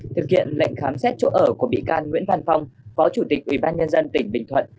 thực hiện lệnh khám xét chỗ ở của bị can nguyễn văn phong phó chủ tịch ủy ban nhân dân tỉnh bình thuận